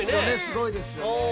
すごいですよね。